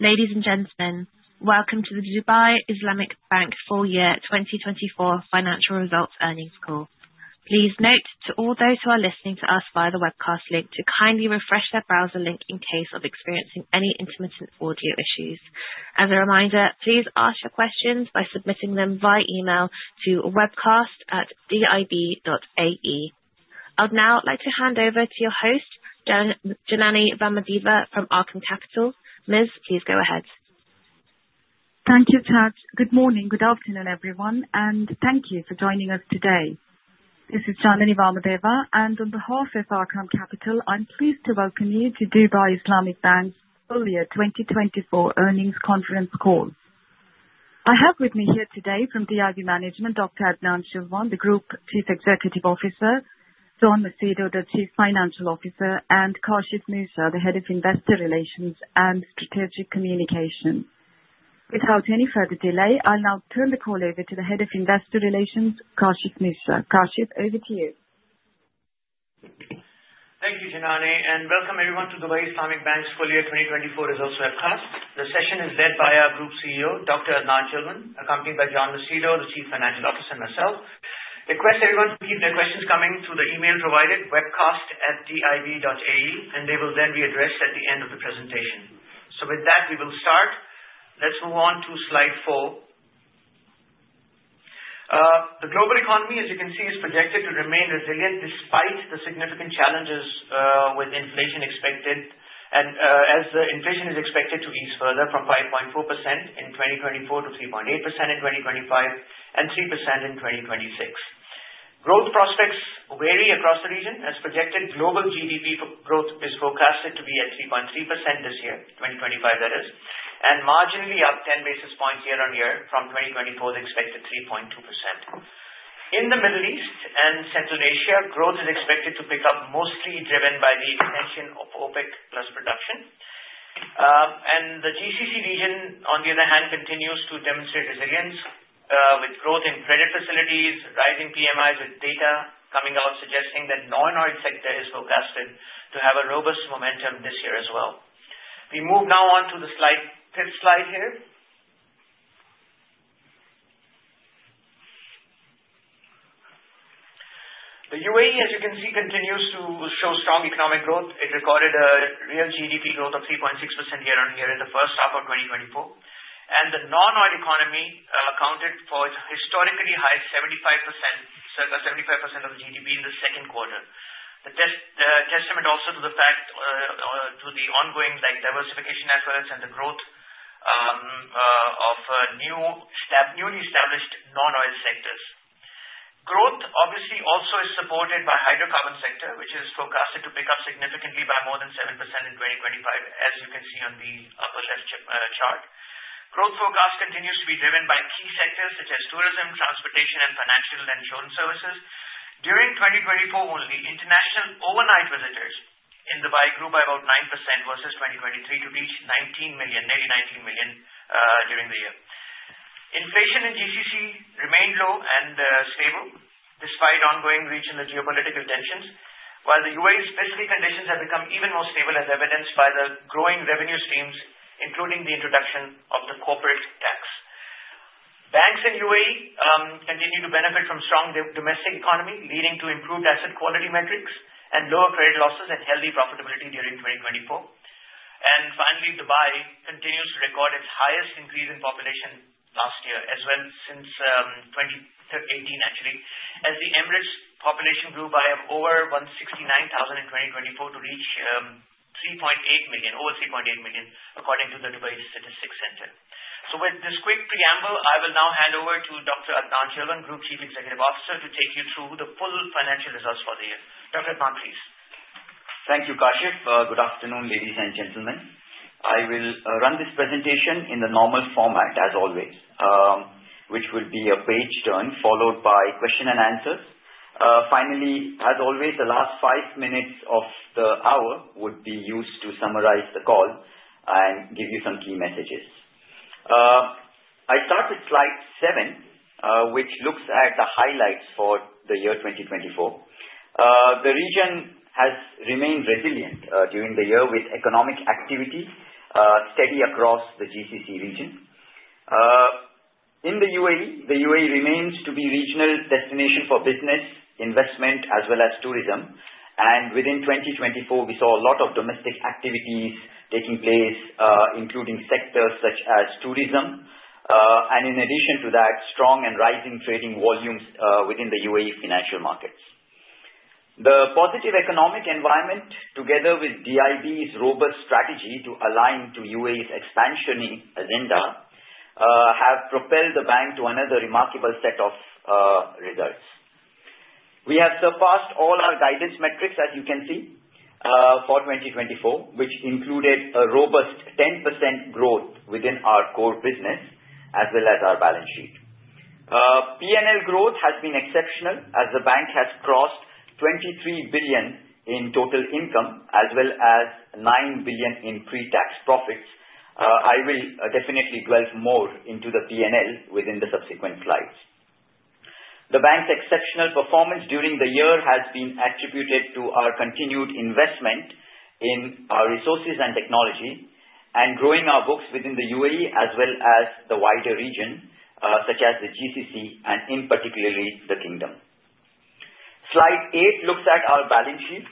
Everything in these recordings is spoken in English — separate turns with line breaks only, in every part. Ladies and gentlemen, welcome to the Dubai Islamic Bank FY 2024 Financial Results Earnings Call. Please note, to all those who are listening to us via the webcast link, to kindly refresh their browser link in case of experiencing any intermittent audio issues. As a reminder, please ask your questions by submitting them via email to webcast@dib.ae. I'd now like to hand over to your host, Janany Vamadeva from Arqaam Capital. Ms., please go ahead.
Thank you, Tad. Good morning, good afternoon, everyone, and thank you for joining us today. This is Janany Vamadeva, and on behalf of Arqaam Capital, I'm pleased to welcome you to Dubai Islamic Bank's Full-Year 2024 Earnings Conference Call. I have with me here today from DIB Management, Dr. Adnan Chilwan, the Group Chief Executive Officer, John Macedo, the Chief Financial Officer, and Kashif Moosa, the Head of Investor Relations and Strategic Communication. Without any further delay, I'll now turn the call over to the Head of Investor Relations, Kashif Moosa. Kashif, over to you.
Thank you, Janany, and welcome everyone to Dubai Islamic Bank's Full-Year 2024 Results Webcast. The session is led by our Group CEO, Dr. Adnan Chilwan, accompanied by John Macedo, the Chief Financial Officer, and myself. I request everyone to keep their questions coming through the email provided, webcast@dib.ae, and they will then be addressed at the end of the presentation. So with that, we will start. Let's move on to slide four. The global economy, as you can see, is projected to remain resilient despite the significant challenges with inflation expected, and as the inflation is expected to ease further from 5.4% in 2024 to 3.8% in 2025 and 3% in 2026. Growth prospects vary across the region. As projected, global GDP growth is forecasted to be at 3.3% this year, 2025, that is, and marginally up 10 basis points year on year from 2024, the expected 3.2%. In the Middle East and Central Asia, growth is expected to pick up, mostly driven by the extension of OPEC+ production. And the GCC region, on the other hand, continues to demonstrate resilience with growth in credit facilities, rising PMIs with data coming out suggesting that the non-oil sector is forecasted to have a robust momentum this year as well. We move now on to the slide, fifth slide here. The UAE, as you can see, continues to show strong economic growth. It recorded a real GDP growth of 3.6% year on year in the first half of 2024. And the non-oil economy accounted for its historically high 75%, circa 75% of GDP in the second quarter. A testament also to the fact, to the ongoing diversification efforts and the growth of newly established non-oil sectors. Growth, obviously, also is supported by the hydrocarbon sector, which is forecasted to pick up significantly by more than 7% in 2025, as you can see on the upper left chart. Growth forecast continues to be driven by key sectors such as tourism, transportation, and financial and insurance services. During 2024 only, international overnight visitors in Dubai grew by about 9% versus 2023 to reach 19 million, nearly 19 million during the year. Inflation in GCC remained low and stable despite ongoing regional geopolitical tensions, while the UAE's fiscal conditions have become even more stable, as evidenced by the growing revenue streams, including the introduction of the corporate tax. Banks in UAE continue to benefit from strong domestic economy, leading to improved asset quality metrics and lower credit losses and healthy profitability during 2024. Finally, Dubai continues to record its highest increase in population last year, as well since 2018, actually, as the Emirate's population grew by over 169,000 in 2024 to reach 3.8 million, over 3.8 million, according to the Dubai Statistics Center. With this quick preamble, I will now hand over to Dr. Adnan Chilwan, Group Chief Executive Officer, to take you through the full financial results for the year. Dr. Adnan, please.
Thank you, Kashif. Good afternoon, ladies and gentlemen. I will run this presentation in the normal format, as always, which will be a page turn followed by questions and answers. Finally, as always, the last five minutes of the hour would be used to summarize the call and give you some key messages. I start with slide seven, which looks at the highlights for the year 2024. The region has remained resilient during the year with economic activity steady across the GCC region. In the UAE, the UAE remains to be a regional destination for business, investment, as well as tourism. And within 2024, we saw a lot of domestic activities taking place, including sectors such as tourism. And in addition to that, strong and rising trading volumes within the UAE financial markets. The positive economic environment, together with DIB's robust strategy to align to UAE's expansionary agenda, have propelled the bank to another remarkable set of results. We have surpassed all our guidance metrics, as you can see, for 2024, which included a robust 10% growth within our core business as well as our balance sheet. P&L growth has been exceptional as the bank has crossed 23 billion in total income as well as 9 billion in pre-tax profits. I will definitely delve more into the P&L within the subsequent slides. The bank's exceptional performance during the year has been attributed to our continued investment in our resources and technology and growing our books within the UAE as well as the wider region, such as the GCC and, in particularly, the Kingdom. Slide eight looks at our balance sheet.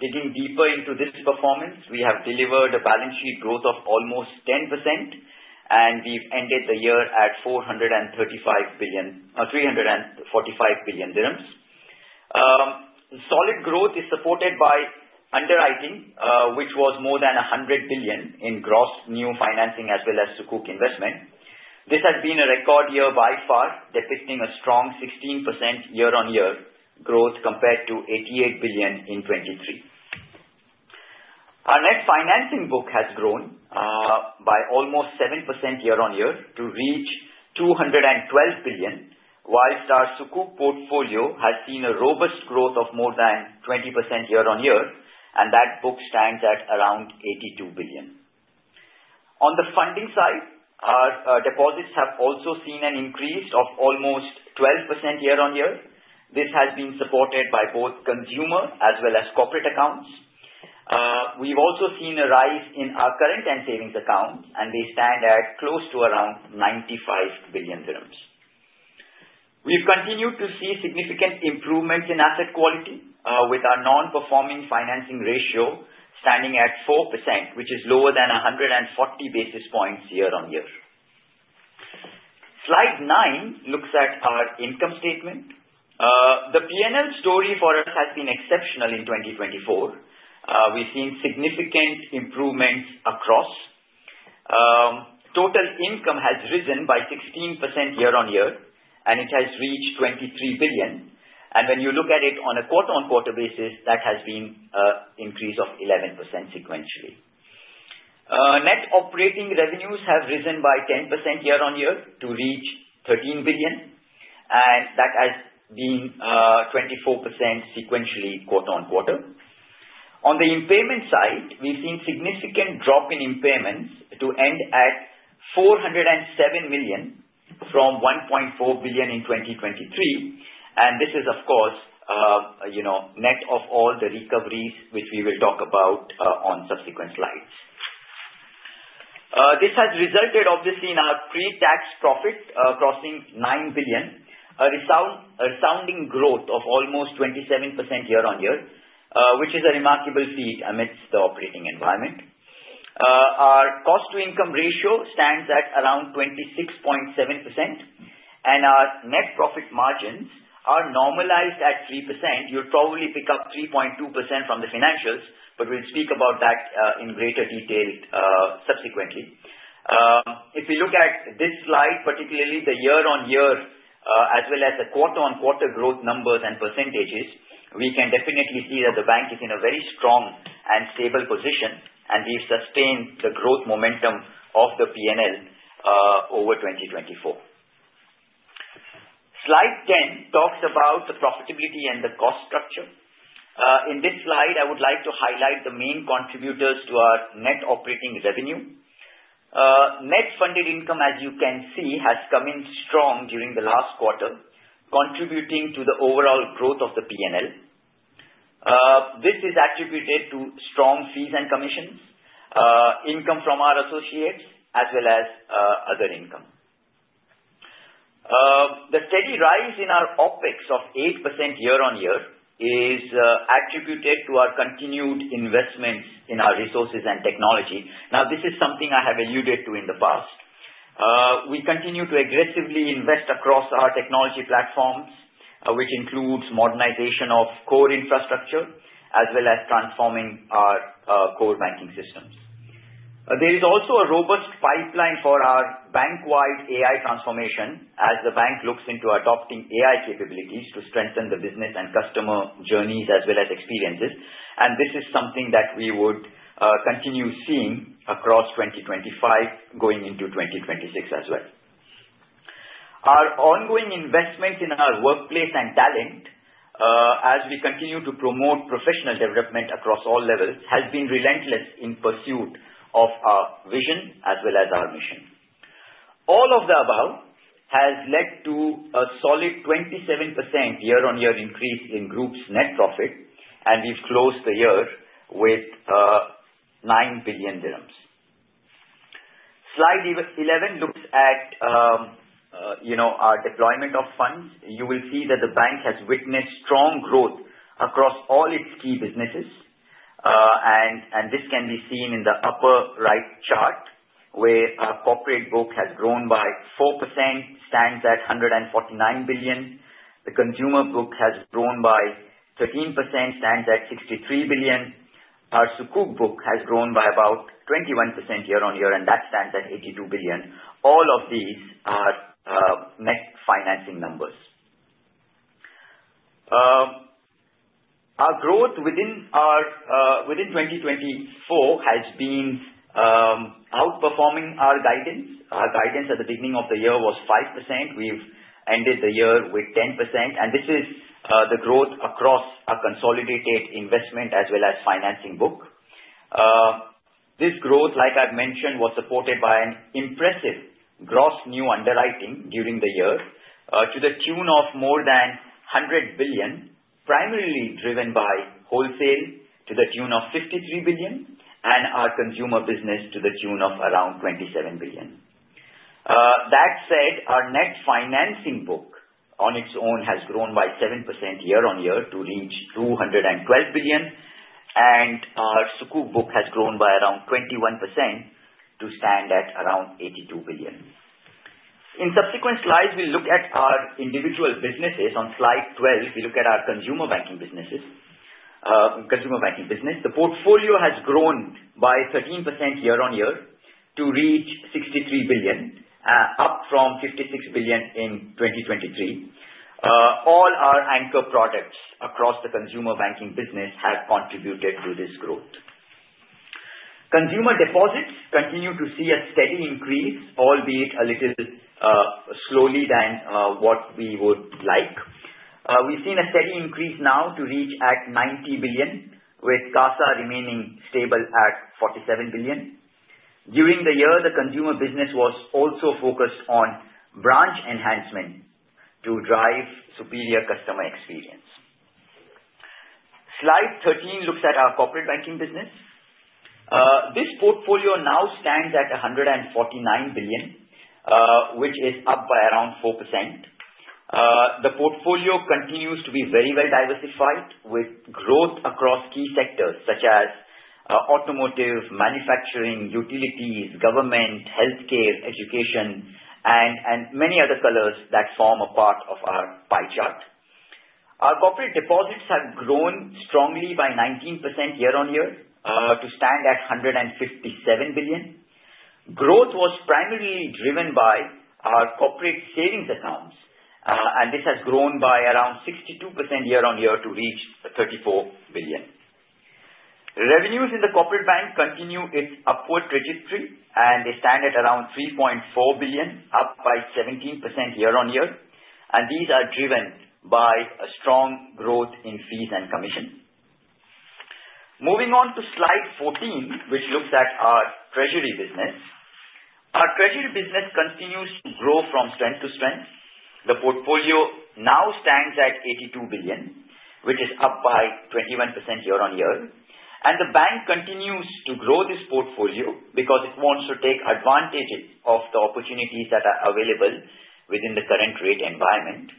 Digging deeper into this performance, we have delivered a balance sheet growth of almost 10%, and we've ended the year at 345 billion dirhams. Solid growth is supported by underwriting, which was more than 100 billion in gross new financing as well as sukuk investment. This has been a record year by far, depicting a strong 16% year-on-year growth compared to 88 billion in 2023. Our net financing book has grown by almost 7% year-on-year to reach 212 billion, while our sukuk portfolio has seen a robust growth of more than 20% year-on-year, and that book stands at around 82 billion. On the funding side, our deposits have also seen an increase of almost 12% year-on-year. This has been supported by both consumer as well as corporate accounts. We've also seen a rise in our current and savings accounts, and they stand at close to around 95 billion dirhams. We've continued to see significant improvements in asset quality, with our non-performing financing ratio standing at 4%, which is lower than 140 basis points year-on-year. Slide nine looks at our income statement. The P&L story for us has been exceptional in 2024. We've seen significant improvements across. Total income has risen by 16% year-on-year, and it has reached 23 billion. And when you look at it on a quarter-on-quarter basis, that has been an increase of 11% sequentially. Net operating revenues have risen by 10% year-on-year to reach 13 billion, and that has been 24% sequentially quarter-on-quarter. On the impairment side, we've seen a significant drop in impairments to end at 407 million from 1.4 billion in 2023. And this is, of course, net of all the recoveries, which we will talk about on subsequent slides. This has resulted, obviously, in our pre-tax profit crossing 9 billion, a resounding growth of almost 27% year-on-year, which is a remarkable feat amidst the operating environment. Our cost-to-income ratio stands at around 26.7%, and our net profit margins are normalized at 3%. You'll probably pick up 3.2% from the financials, but we'll speak about that in greater detail subsequently. If we look at this slide, particularly the year-on-year as well as the quarter-on-quarter growth numbers and percentages, we can definitely see that the bank is in a very strong and stable position, and we've sustained the growth momentum of the P&L over 2024. Slide 10 talks about the profitability and the cost structure. In this slide, I would like to highlight the main contributors to our net operating revenue. Net Funded Income, as you can see, has come in strong during the last quarter, contributing to the overall growth of the P&L. This is attributed to strong fees and commissions, income from our associates, as well as other income. The steady rise in our OpEx of 8% year-on-year is attributed to our continued investments in our resources and technology. Now, this is something I have alluded to in the past. We continue to aggressively invest across our technology platforms, which includes modernization of core infrastructure as well as transforming our core banking systems. There is also a robust pipeline for our bank-wide AI transformation, as the bank looks into adopting AI capabilities to strengthen the business and customer journeys as well as experiences, and this is something that we would continue seeing across 2025, going into 2026 as well. Our ongoing investment in our workplace and talent, as we continue to promote professional development across all levels, has been relentless in pursuit of our vision as well as our mission. All of the above has led to a solid 27% year-on-year increase in Group's net profit, and we've closed the year with 9 billion dirhams. Slide 11 looks at our deployment of funds. You will see that the bank has witnessed strong growth across all its key businesses, and this can be seen in the upper right chart, where our corporate book has grown by 4%, stands at 149 billion. The consumer book has grown by 13%, stands at 63 billion. Our Sukuk book has grown by about 21% year-on-year, and that stands at 82 billion. All of these are net financing numbers. Our growth within 2024 has been outperforming our guidance. Our guidance at the beginning of the year was 5%. We've ended the year with 10%, and this is the growth across our consolidated investment as well as financing book. This growth, like I've mentioned, was supported by an impressive gross new underwriting during the year to the tune of more than 100 billion, primarily driven by wholesale to the tune of 53 billion and our consumer business to the tune of around 27 billion. That said, our net financing book on its own has grown by 7% year-on-year to reach 212 billion, and our sukuk book has grown by around 21% to stand at around 82 billion. In subsequent slides, we'll look at our individual businesses. On slide 12, we look at our consumer banking businesses. The portfolio has grown by 13% year-on-year to reach 63 billion, up from 56 billion in 2023. All our anchor products across the consumer banking business have contributed to this growth. Consumer deposits continue to see a steady increase, albeit a little slowly than what we would like. We've seen a steady increase now to reach 90 billion, with CASA remaining stable at 47 billion. During the year, the consumer business was also focused on branch enhancement to drive superior customer experience. Slide 13 looks at our corporate banking business. This portfolio now stands at 149 billion, which is up by around 4%. The portfolio continues to be very well diversified with growth across key sectors such as automotive, manufacturing, utilities, government, healthcare, education, and many other colors that form a part of our pie chart. Our corporate deposits have grown strongly by 19% year-on-year to stand at 157 billion. Growth was primarily driven by our corporate savings accounts, and this has grown by around 62% year-on-year to reach 34 billion. Revenues in the corporate bank continue its upward trajectory, and they stand at around 3.4 billion, up by 17% year-on-year, and these are driven by a strong growth in fees and commission. Moving on to slide 14, which looks at our treasury business. Our treasury business continues to grow from strength to strength. The portfolio now stands at 82 billion, which is up by 21% year-on-year, and the bank continues to grow this portfolio because it wants to take advantage of the opportunities that are available within the current rate environment.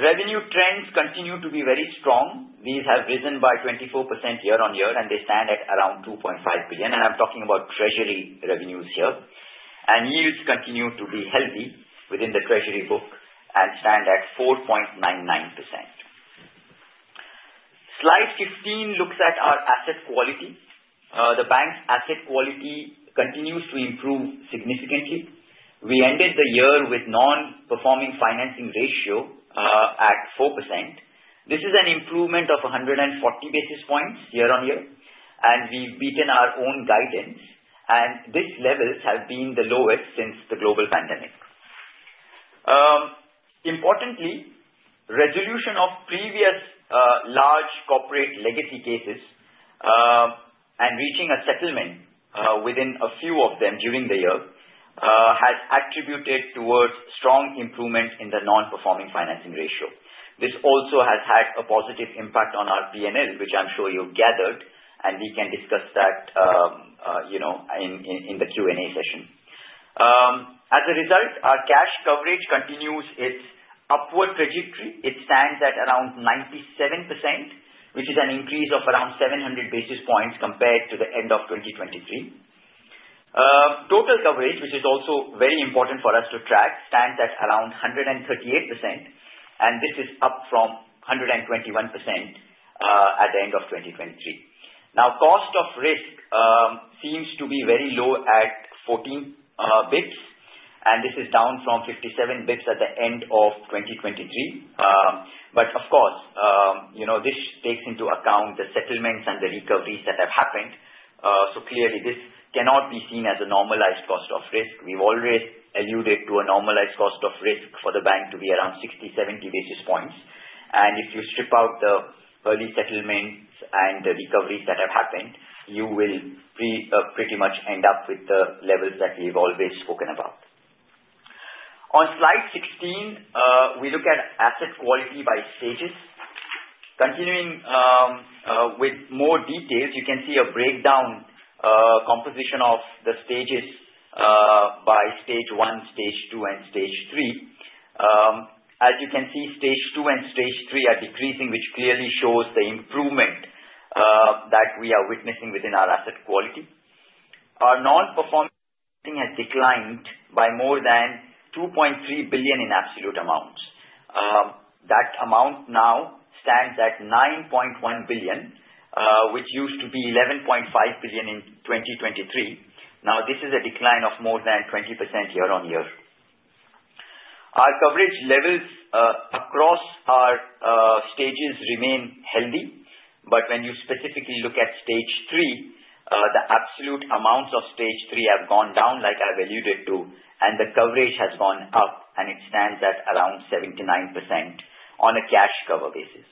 Revenue trends continue to be very strong. These have risen by 24% year-on-year, and they stand at around 2.5 billion, and I'm talking about treasury revenues here. Yields continue to be healthy within the treasury book and stand at 4.99%. Slide 15 looks at our asset quality. The bank's asset quality continues to improve significantly. We ended the year with a non-performing financing ratio at 4%. This is an improvement of 140 basis points year-on-year, and we've beaten our own guidance. These levels have been the lowest since the global pandemic. Importantly, resolution of previous large corporate legacy cases and reaching a settlement within a few of them during the year has attributed towards strong improvement in the non-performing financing ratio. This also has had a positive impact on our P&L, which I'm sure you've gathered, and we can discuss that in the Q&A session. As a result, our cash coverage continues its upward trajectory. It stands at around 97%, which is an increase of around 700 basis points compared to the end of 2023. Total coverage, which is also very important for us to track, stands at around 138%, and this is up from 121% at the end of 2023. Now, cost of risk seems to be very low at 14 basis points, and this is down from 57 basis points at the end of 2023. But of course, this takes into account the settlements and the recoveries that have happened. So clearly, this cannot be seen as a normalized cost of risk. We've already alluded to a normalized cost of risk for the bank to be around 60, 70 basis points. And if you strip out the early settlements and the recoveries that have happened, you will pretty much end up with the levels that we've always spoken about. On slide 16, we look at asset quality by stages. Continuing with more detail, you can see a breakdown composition of the stages by stage one, stage two, and stage three. As you can see, stage two and stage three are decreasing, which clearly shows the improvement that we are witnessing within our asset quality. Our non-performing financing has declined by more than 2.3 billion in absolute amounts. That amount now stands at 9.1 billion, which used to be 11.5 billion in 2023. Now, this is a decline of more than 20% year-on-year. Our coverage levels across our stages remain healthy, but when you specifically look at stage three, the absolute amounts of stage three have gone down, like I've alluded to, and the coverage has gone up, and it stands at around 79% on a cash cover basis.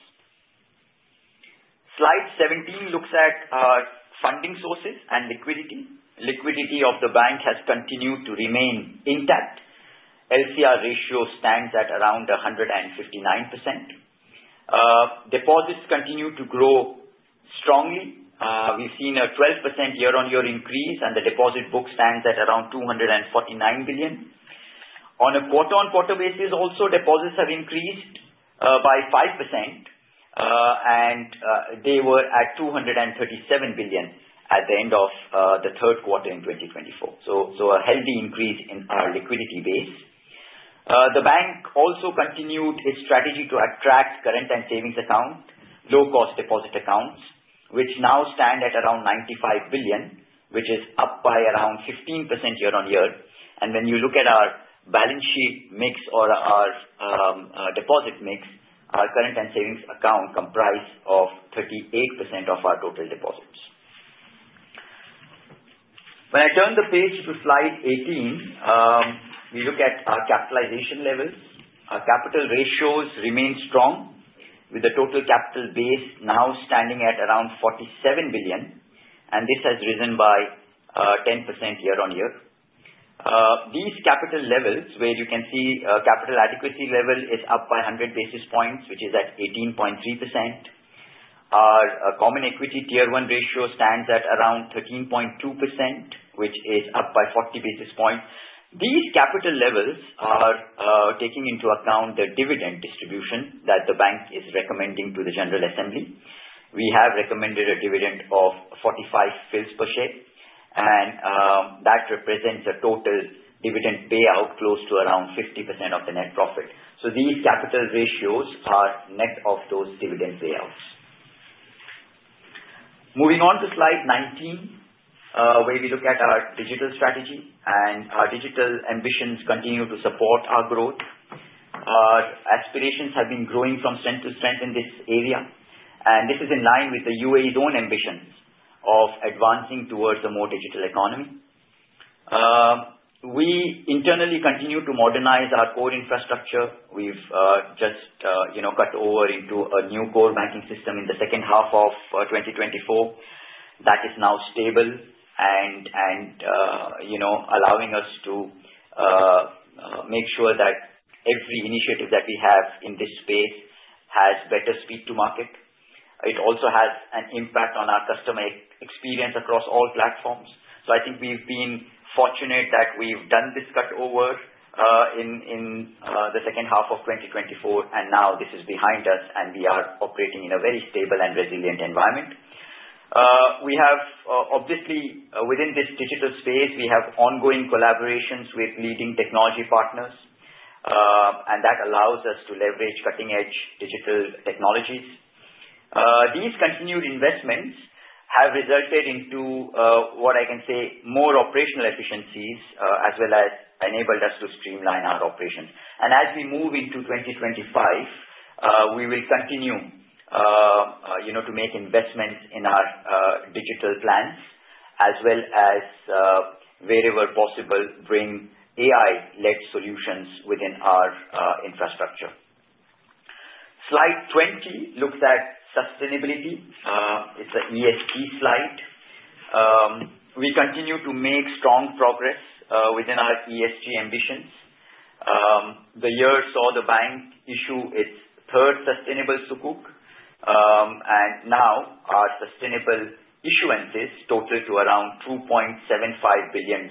Slide 17 looks at our funding sources and liquidity. Liquidity of the bank has continued to remain intact. LCR ratio stands at around 159%. Deposits continue to grow strongly. We've seen a 12% year-on-year increase, and the deposit book stands at around 249 billion. On a quarter-on-quarter basis, also, deposits have increased by 5%, and they were at 237 billion at the end of the third quarter in 2024. So a healthy increase in our liquidity base. The bank also continued its strategy to attract current and savings accounts, low-cost deposit accounts, which now stand at around 95 billion, which is up by around 15% year-on-year. And when you look at our balance sheet mix or our deposit mix, our current and savings account comprises 38% of our total deposits. When I turn the page to slide 18, we look at our capitalization levels. Our capital ratios remain strong, with the total capital base now standing at around 47 billion, and this has risen by 10% year-on-year. These capital levels, where you can see capital adequacy level, is up by 100 basis points, which is at 18.3%. Our common equity tier one ratio stands at around 13.2%, which is up by 40 basis points. These capital levels are taking into account the dividend distribution that the bank is recommending to the General Assembly. We have recommended a dividend of 45 fils per share, and that represents a total dividend payout close to around 50% of the net profit. So these capital ratios are net of those dividend payouts. Moving on to slide 19, where we look at our digital strategy, and our digital ambitions continue to support our growth. Our aspirations have been growing from strength to strength in this area, and this is in line with the UAE's own ambitions of advancing towards a more digital economy. We internally continue to modernize our core infrastructure. We've just cut over into a new core banking system in the second half of 2024. That is now stable and allowing us to make sure that every initiative that we have in this space has better speed to market. It also has an impact on our customer experience across all platforms. So I think we've been fortunate that we've done this cut over in the second half of 2024, and now this is behind us, and we are operating in a very stable and resilient environment. Obviously, within this digital space, we have ongoing collaborations with leading technology partners, and that allows us to leverage cutting-edge digital technologies. These continued investments have resulted in what I can say, more operational efficiencies, as well as enabled us to streamline our operations. As we move into 2025, we will continue to make investments in our digital plans, as well as, wherever possible, bring AI-led solutions within our infrastructure. Slide 20 looks at sustainability. It's an ESG slide. We continue to make strong progress within our ESG ambitions. The year saw the bank issue its third sustainable sukuk, and now our sustainable issuance totals to around $2.75 billion.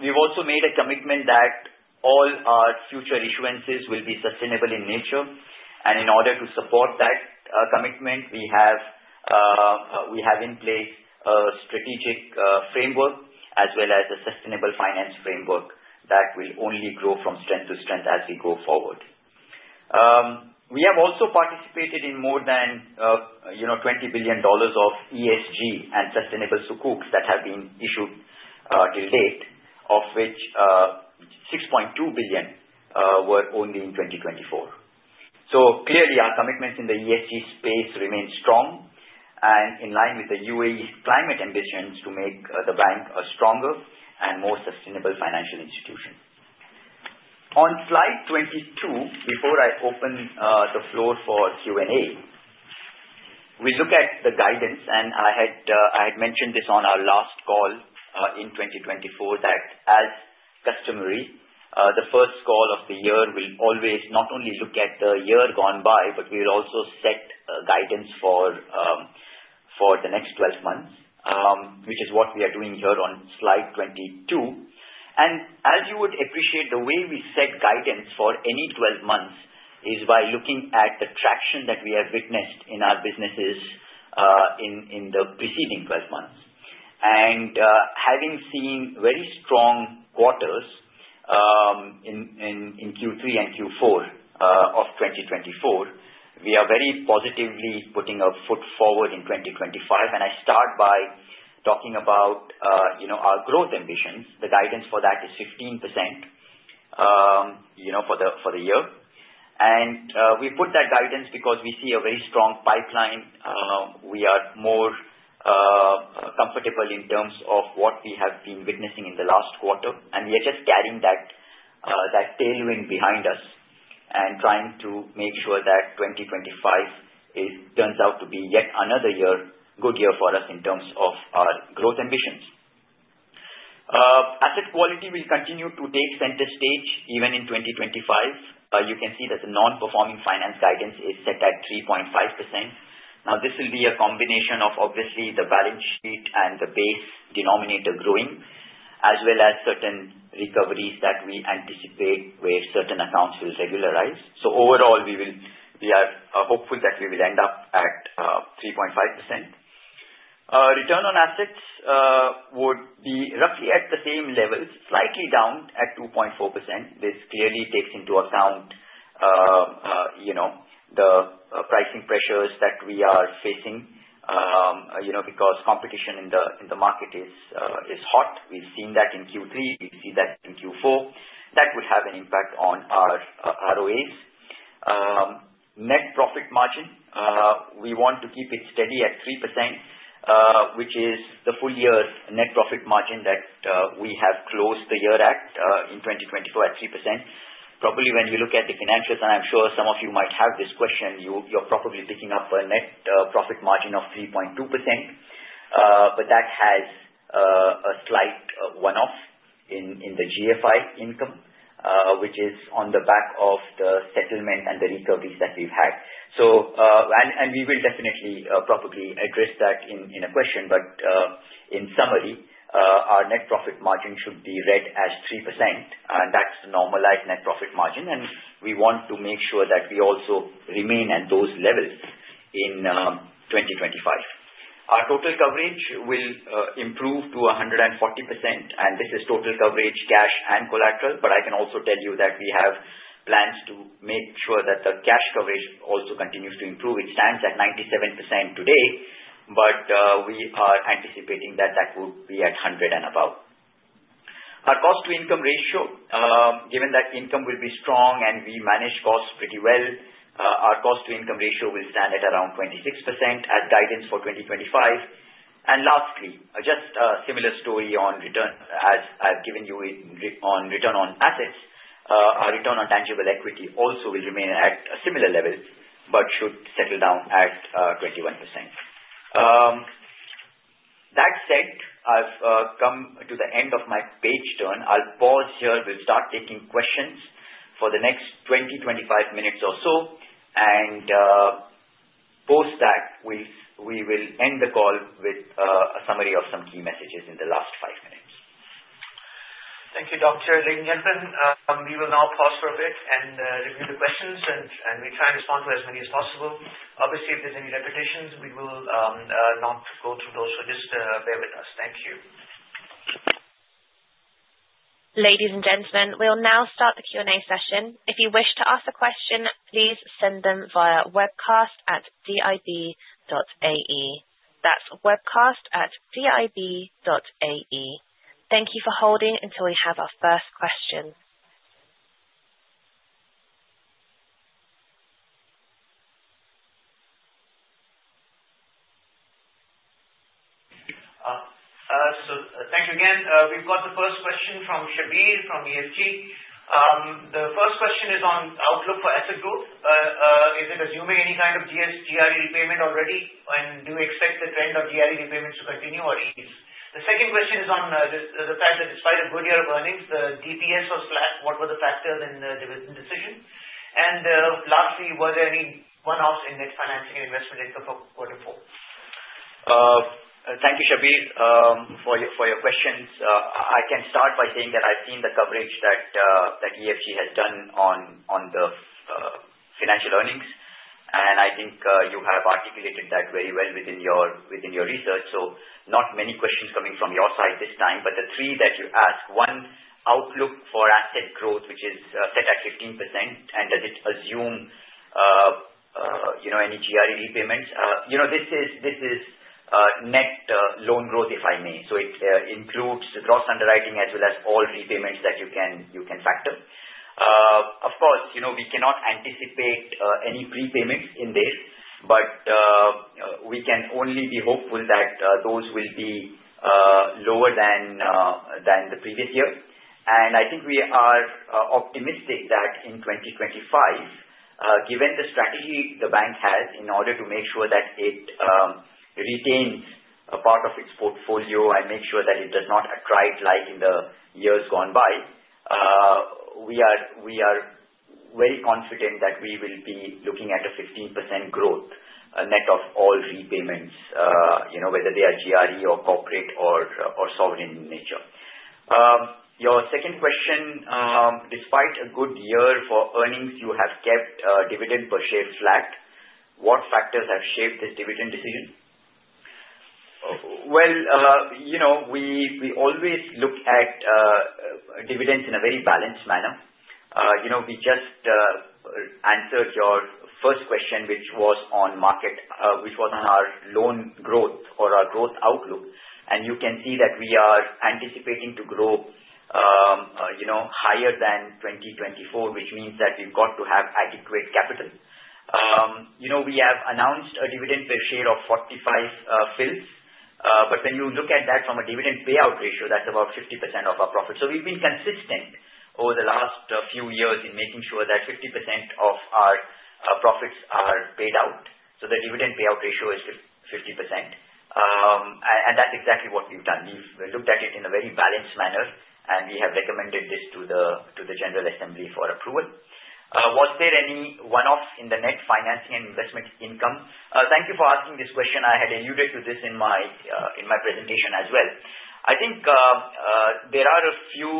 We've also made a commitment that all our future issuance will be sustainable in nature. In order to support that commitment, we have in place a strategic framework, as well as a sustainable finance framework that will only grow from strength to strength as we go forward. We have also participated in more than $20 billion of ESG and sustainable sukuks that have been issued to date, of which $6.2 billion were only in 2024. Clearly, our commitments in the ESG space remain strong and in line with the UAE's climate ambitions to make the bank a stronger and more sustainable financial institution. On slide 22, before I open the floor for Q&A, we look at the guidance, and I had mentioned this on our last call in 2024 that, as customary, the first call of the year will always not only look at the year gone by, but we will also set guidance for the next 12 months, which is what we are doing here on slide 22. As you would appreciate, the way we set guidance for any 12 months is by looking at the traction that we have witnessed in our businesses in the preceding 12 months. Having seen very strong quarters in Q3 and Q4 of 2024, we are very positively putting a foot forward in 2025. I start by talking about our growth ambitions. The guidance for that is 15% for the year. We put that guidance because we see a very strong pipeline. We are more comfortable in terms of what we have been witnessing in the last quarter, and we are just carrying that tailwind behind us and trying to make sure that 2025 turns out to be yet another good year for us in terms of our growth ambitions. Asset quality will continue to take center stage even in 2025. You can see that the non-performing financing guidance is set at 3.5%. Now, this will be a combination of, obviously, the balance sheet and the base denominator growing, as well as certain recoveries that we anticipate where certain accounts will regularize. Overall, we are hopeful that we will end up at 3.5%. Return on assets would be roughly at the same levels, slightly down at 2.4%. This clearly takes into account the pricing pressures that we are facing because competition in the market is hot. We've seen that in Q3. We've seen that in Q4. That would have an impact on our ROAs. Net profit margin, we want to keep it steady at 3%, which is the full year's net profit margin that we have closed the year at in 2024 at 3%. Probably when you look at the financials, and I'm sure some of you might have this question, you're probably picking up a net profit margin of 3.2%, but that has a slight one-off in the GFI income, which is on the back of the settlement and the recoveries that we've had. We will definitely probably address that in a question, but in summary, our net profit margin should be read as 3%, and that's the normalized net profit margin. We want to make sure that we also remain at those levels in 2025. Our total coverage will improve to 140%, and this is total coverage, cash, and collateral. I can also tell you that we have plans to make sure that the cash coverage also continues to improve. It stands at 97% today, but we are anticipating that that would be at 100 and above. Our cost-to-income ratio, given that income will be strong and we manage costs pretty well, our cost-to-income ratio will stand at around 26% as guidance for 2025. And lastly, just a similar story on return as I've given you on return on assets, our return on tangible equity also will remain at a similar level but should settle down at 21%. That said, I've come to the end of my page turn. I'll pause here. We'll start taking questions for the next 20-25 minutes or so, and after that, we will end the call with a summary of some key messages in the last five minutes.
Thank you, Dr. Adnan Chilwan. We will now pause for a bit and review the questions, and we'll try and respond to as many as possible. Obviously, if there's any repetitions, we will not go through those, so just bear with us. Thank you.
Ladies and gentlemen, we'll now start the Q&A session. If you wish to ask a question, please send them via webcast@dib.ae. That's webcast@dib.ae. Thank you for holding until we have our first question.
So thank you again. We've got the first question from Shabbir from EFG Hermes. The first question is on outlook for asset growth. Is it assuming any kind of GRE repayment already, and do you expect the trend of GRE repayments to continue or ease? The second question is on the fact that despite a good year of earnings, the DPS was flat. What were the factors in the decision? And lastly, were there any one-offs in net financing and investment income for quarter four?
Thank you, Kashif, for your questions. I can start by saying that I've seen the coverage that EFG Hermes has done on the financial earnings, and I think you have articulated that very well within your research. So not many questions coming from your side this time, but the three that you asked: one, outlook for asset growth, which is set at 15%, and does it assume any GRE repayments? This is net loan growth, if I may. So it includes the gross underwriting as well as all repayments that you can factor. Of course, we cannot anticipate any prepayments in there, but we can only be hopeful that those will be lower than the previous year. And I think we are optimistic that in 2025, given the strategy the bank has in order to make sure that it retains a part of its portfolio and makes sure that it does not attract like in the years gone by, we are very confident that we will be looking at a 15% growth net of all repayments, whether they are GRE or corporate or sovereign in nature. Your second question: Despite a good year for earnings, you have kept dividend per share flat. What factors have shaped this dividend decision? We always look at dividends in a very balanced manner. We just answered your first question, which was on market, which was on our loan growth or our growth outlook. You can see that we are anticipating to grow higher than 2024, which means that we've got to have adequate capital. We have announced a dividend per share of 0.45, but when you look at that from a dividend payout ratio, that's about 50% of our profit. We've been consistent over the last few years in making sure that 50% of our profits are paid out. The dividend payout ratio is 50%, and that's exactly what we've done. We've looked at it in a very balanced manner, and we have recommended this to the General Assembly for approval. Was there any one-off in the net financing and investment income? Thank you for asking this question. I had alluded to this in my presentation as well. I think there are a few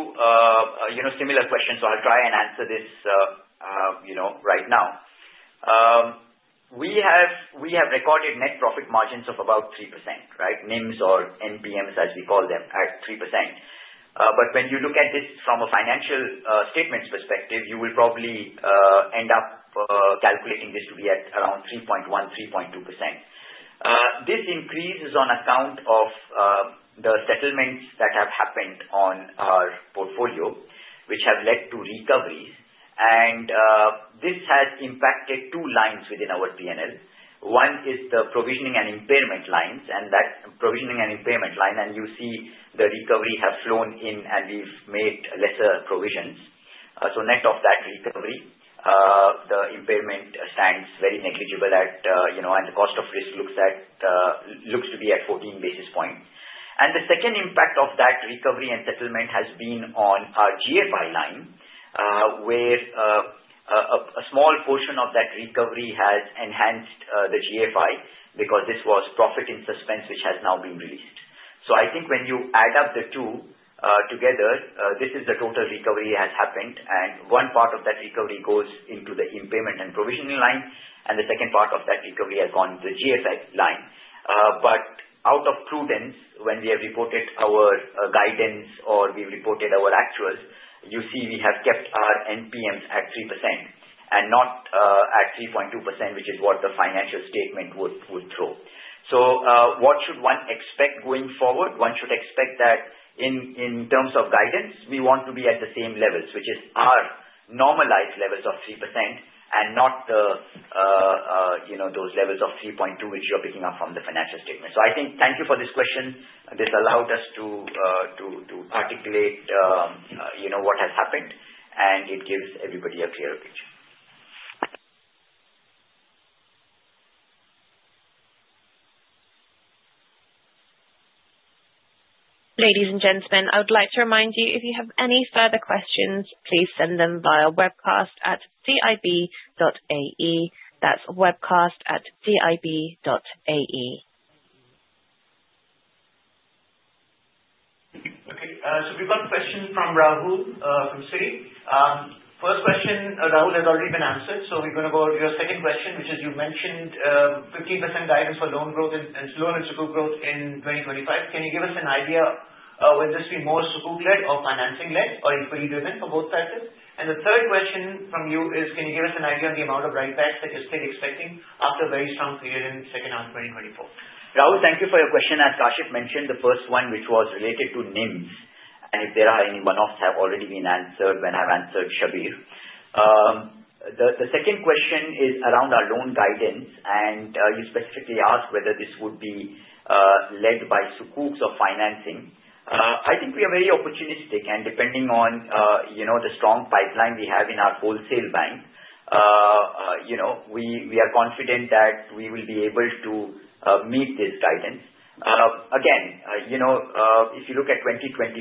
similar questions, so I'll try and answer this right now. We have recorded net profit margins of about 3%, right? NIMs or NPMs, as we call them, at 3%. But when you look at this from a financial statements perspective, you will probably end up calculating this to be at around 3.1-3.2%. This increase is on account of the settlements that have happened on our portfolio, which have led to recoveries. And this has impacted two lines within our P&L. One is the provisioning and impairment lines, and that provisioning and impairment line, and you see the recovery has flowed in, and we've made lesser provisions. So net of that recovery, the impairment stands very negligible at, and the cost of risk looks to be at 14 basis points. The second impact of that recovery and settlement has been on our GFI line, where a small portion of that recovery has enhanced the GFI because this was profit in suspense, which has now been released. I think when you add up the two together, this is the total recovery that has happened, and one part of that recovery goes into the impairment and provisioning line, and the second part of that recovery has gone to the GFI line. But out of prudence, when we have reported our guidance or we've reported our actuals, you see we have kept our NPMs at 3% and not at 3.2%, which is what the financial statement would show. So what should one expect going forward? One should expect that in terms of guidance, we want to be at the same levels, which is our normalized levels of 3% and not those levels of 3.2, which you're picking up from the financial statements. So I think thank you for this question. This allowed us to articulate what has happened, and it gives everybody a clearer picture.
Ladies and gentlemen, I would like to remind you, if you have any further questions, please send them via webcast@dib.ae. That's webcast@dib.ae.
Okay. So we've got a question from Rahul from Citi. First question, Rahul has already been answered, so we're going to go to your second question, which is you mentioned 15% guidance for loan growth and loan and Sukuk growth in 2025. Can you give us an idea? Will this be more Sukuk-led or financing-led or equity-driven for both factors? And the third question from you is, can you give us an idea of the amount of write-backs that you're still expecting after a very strong period in the second half of 2024?
Rahul, thank you for your question. As Kashif mentioned, the first one, which was related to NIMs, and if there are any one-offs that have already been answered when I've answered Shabbir. The second question is around our loan guidance, and you specifically asked whether this would be led by Sukuk or financing. I think we are very opportunistic, and depending on the strong pipeline we have in our wholesale bank, we are confident that we will be able to meet this guidance. Again, if you look at 2024,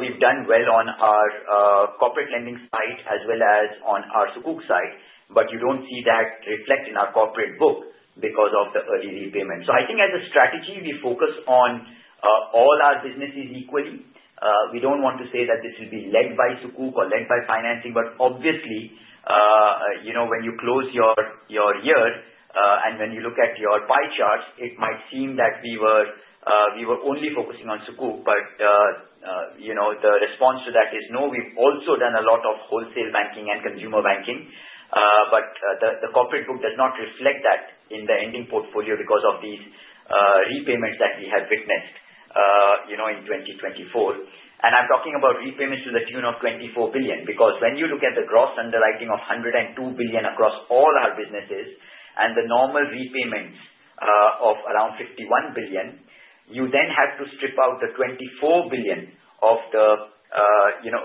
we've done well on our corporate lending side as well as on our Sukuk side, but you don't see that reflected in our corporate book because of the early repayment. So I think as a strategy, we focus on all our businesses equally. We don't want to say that this will be led by Sukuk or led by financing, but obviously, when you close your year and when you look at your pie charts, it might seem that we were only focusing on Sukuk, but the response to that is no. We've also done a lot of wholesale banking and consumer banking, but the corporate book does not reflect that in the ending portfolio because of these repayments that we have witnessed in 2024, and I'm talking about repayments to the tune of 24 billion because when you look at the gross underwriting of 102 billion across all our businesses and the normal repayments of around 51 billion, you then have to strip out the 24 billion of the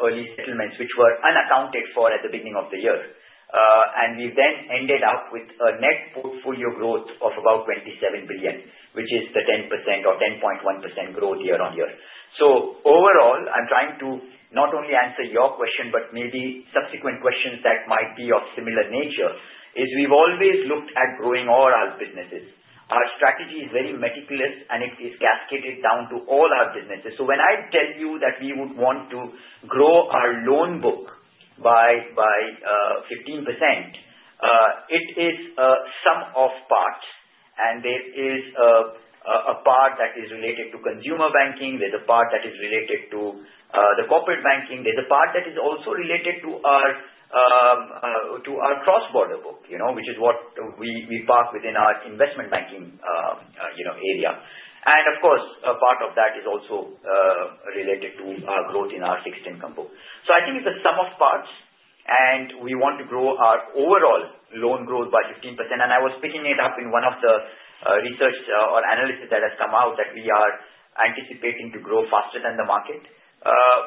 early settlements, which were unaccounted for at the beginning of the year, and we've then ended up with a net portfolio growth of about 27 billion, which is the 10% or 10.1% growth year on year, so overall, I'm trying to not only answer your question, but maybe subsequent questions that might be of similar nature, is we've always looked at growing all our businesses. Our strategy is very meticulous, and it is cascaded down to all our businesses. So when I tell you that we would want to grow our loan book by 15%, it is a sum of parts, and there is a part that is related to consumer banking. There's a part that is related to the corporate banking. There's a part that is also related to our cross-border book, which is what we park within our investment banking area. And of course, a part of that is also related to our growth in our fixed income book. So I think it's a sum of parts, and we want to grow our overall loan growth by 15%. And I was picking it up in one of the research or analysis that has come out that we are anticipating to grow faster than the market.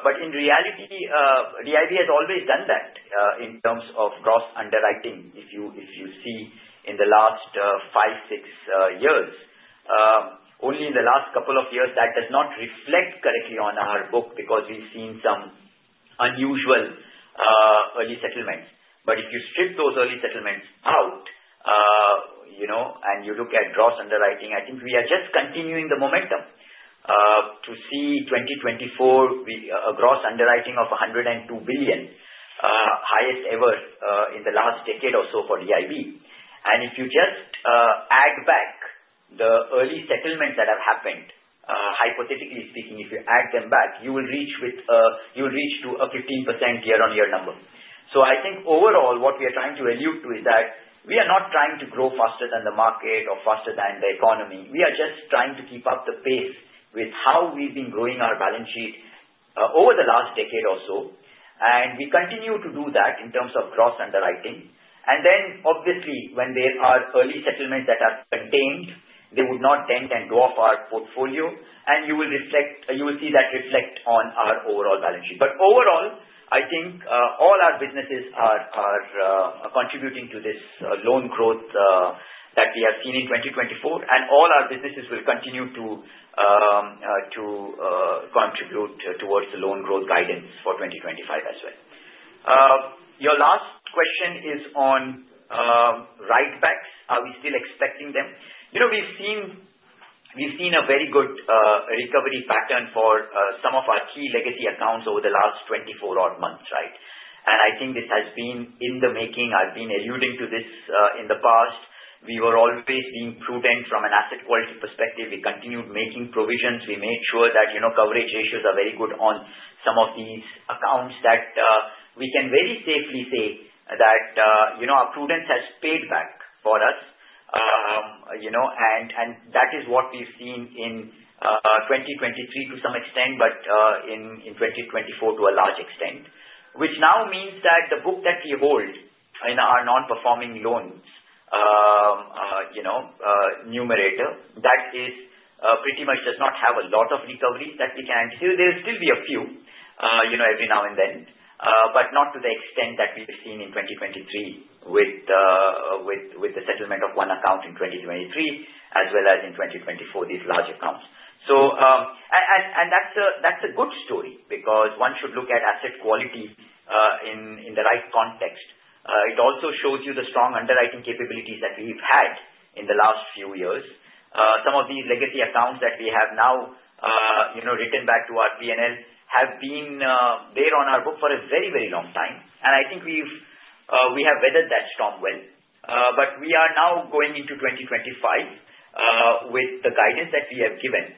But in reality, DIB has always done that in terms of gross underwriting, if you see in the last five, six years. Only in the last couple of years, that does not reflect correctly on our book because we've seen some unusual early settlements. But if you strip those early settlements out and you look at gross underwriting, I think we are just continuing the momentum. To see 2024, a gross underwriting of 102 billion, highest ever in the last decade or so for DIB. And if you just add back the early settlements that have happened, hypothetically speaking, if you add them back, you will reach to a 15% year-on-year number. So I think overall, what we are trying to allude to is that we are not trying to grow faster than the market or faster than the economy. We are just trying to keep up the pace with how we've been growing our balance sheet over the last decade or so. We continue to do that in terms of gross underwriting. Then, obviously, when there are early settlements that are contained, they would not dent and dwarf our portfolio, and you will see that reflect on our overall balance sheet. Overall, I think all our businesses are contributing to this loan growth that we have seen in 2024, and all our businesses will continue to contribute towards the loan growth guidance for 2025 as well. Your last question is on write-backs. Are we still expecting them? We've seen a very good recovery pattern for some of our key legacy accounts over the last 24-odd months, right? I think this has been in the making. I've been alluding to this in the past. We were always being prudent from an asset quality perspective. We continued making provisions. We made sure that coverage ratios are very good on some of these accounts that we can very safely say that our prudence has paid back for us. And that is what we've seen in 2023 to some extent, but in 2024 to a large extent, which now means that the book that we hold in our non-performing loans numerator, that is pretty much does not have a lot of recovery that we can anticipate. There'll still be a few every now and then, but not to the extent that we've seen in 2023 with the settlement of one account in 2023, as well as in 2024, these large accounts. And that's a good story because one should look at asset quality in the right context. It also shows you the strong underwriting capabilities that we've had in the last few years. Some of these legacy accounts that we have now written back to our P&L have been there on our book for a very, very long time. And I think we have weathered that storm well. But we are now going into 2025 with the guidance that we have given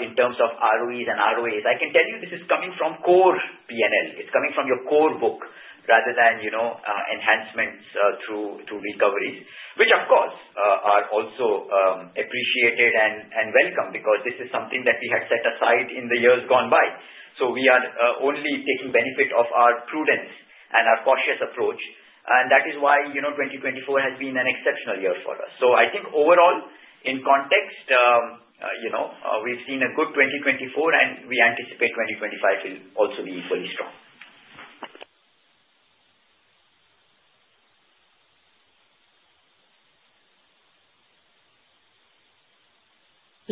in terms of ROEs and ROAs. I can tell you this is coming from core P&L. It's coming from your core book rather than enhancements through recoveries, which, of course, are also appreciated and welcome because this is something that we had set aside in the years gone by. So we are only taking benefit of our prudence and our cautious approach. And that is why 2024 has been an exceptional year for us. I think overall, in context, we've seen a good 2024, and we anticipate 2025 will also be equally strong.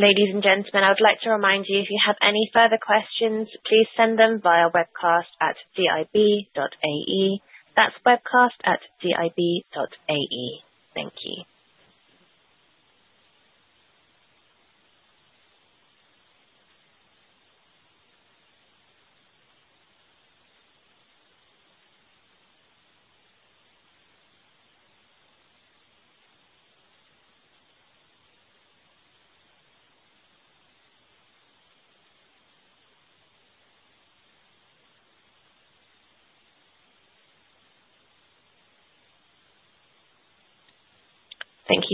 Ladies and gentlemen, I would like to remind you, if you have any further questions, please send them via webcast@dib.ae. That's webcast@dib.ae. Thank you. Thank you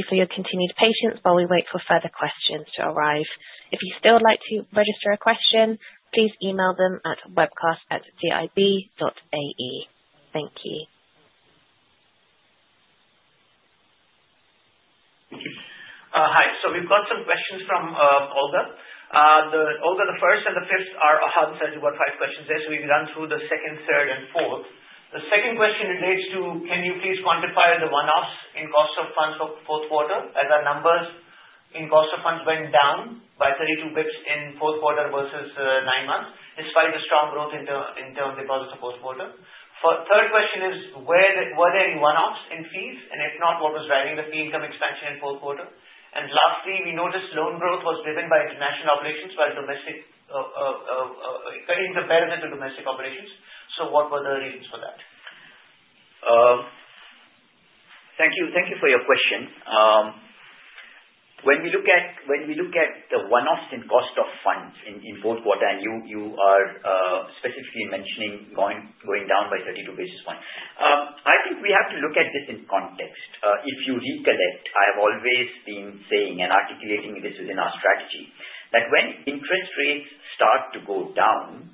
for your continued patience while we wait for further questions to arrive. If you still would like to register a question, please email them at webcast@dib.ae. Thank you.
Hi. So we've got some questions from Olga. Olga, the first and the fifth are answer, five questions. So we've run through the second, third, and fourth. The second question relates to, can you please quantify the one-offs in cost of funds for fourth quarter as our numbers in cost of funds went down by 32 basis points in fourth quarter versus nine months, despite the strong growth in terms of the fourth quarter? Third question is, were there any one-offs in fees? And if not, what was driving the fee income expansion in fourth quarter? And lastly, we noticed loan growth was driven by international operations while domestic increasing comparison to domestic operations. So what were the reasons for that?
Thank you for your question. When we look at the one-offs in cost of funds in fourth quarter, and you are specifically mentioning going down by 32 basis points, I think we have to look at this in context. If you recollect, I have always been saying and articulating this within our strategy that when interest rates start to go down,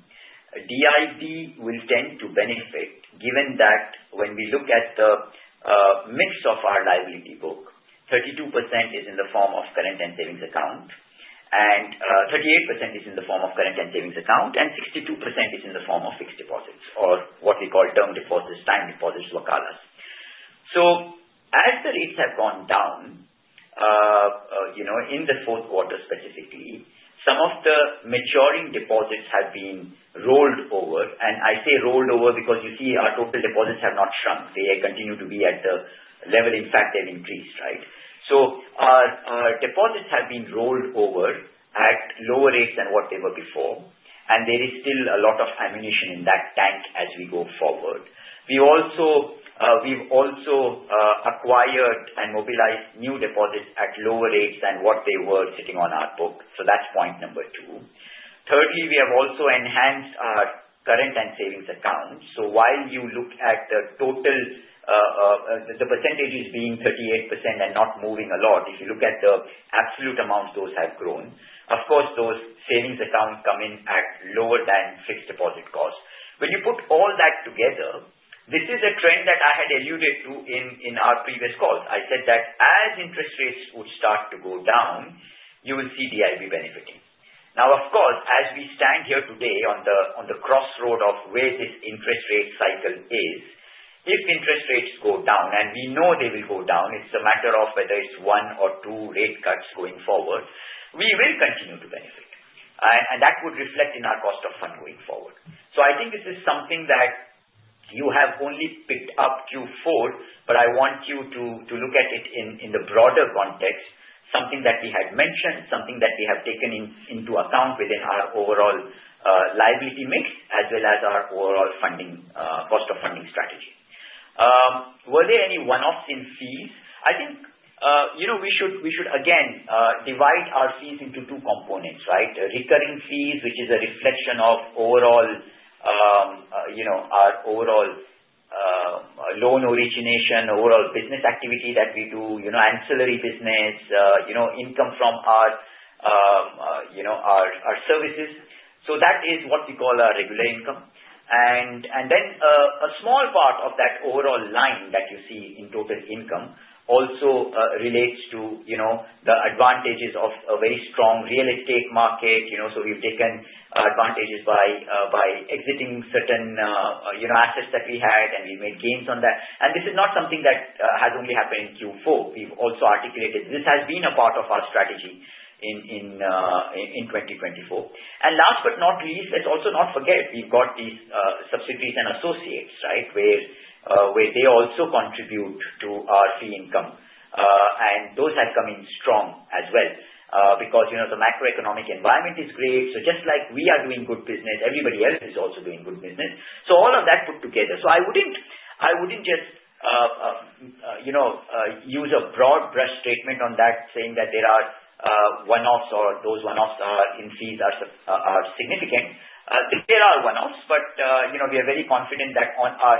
DIB will tend to benefit, given that when we look at the mix of our liability book, 32% is in the form of current and savings account, and 38% is in the form of current and savings account, and 62% is in the form of fixed deposits or what we call term deposits, time deposits, what we call. So as the rates have gone down in the fourth quarter specifically, some of the maturing deposits have been rolled over. And I say rolled over because you see our total deposits have not shrunk. They continue to be at the level. In fact, they've increased, right? So our deposits have been rolled over at lower rates than what they were before, and there is still a lot of ammunition in that tank as we go forward. We've also acquired and mobilized new deposits at lower rates than what they were sitting on our book. So that's point number two. Thirdly, we have also enhanced our current and savings accounts. So while you look at the total percentage as being 38% and not moving a lot, if you look at the absolute amounts, those have grown. Of course, those savings accounts come in at lower than fixed deposit costs. When you put all that together, this is a trend that I had alluded to in our previous calls. I said that as interest rates would start to go down, you will see DIB benefiting. Now, of course, as we stand here today on the crossroad of where this interest rate cycle is, if interest rates go down, and we know they will go down, it's a matter of whether it's one or two rate cuts going forward, we will continue to benefit. And that would reflect in our cost of fund going forward. So I think this is something that you have only picked up Q4, but I want you to look at it in the broader context, something that we had mentioned, something that we have taken into account within our overall liability mix as well as our overall cost of funding strategy. Were there any one-offs in fees? I think we should, again, divide our fees into two components, right? Recurring fees, which is a reflection of our overall loan origination, overall business activity that we do, ancillary business, income from our services. So that is what we call our regular income. And then a small part of that overall line that you see in total income also relates to the advantages of a very strong real estate market. So we've taken advantages by exiting certain assets that we had, and we've made gains on that. And this is not something that has only happened in Q4. We've also articulated this has been a part of our strategy in 2024. And last but not least, let's also not forget, we've got these subsidiaries and associates, right, where they also contribute to our fee income. And those have come in strong as well because the macroeconomic environment is great. Just like we are doing good business, everybody else is also doing good business. So all of that put together. So I wouldn't just use a broad brush statement on that, saying that there are one-offs or those one-offs in fees are significant. There are one-offs, but we are very confident that on our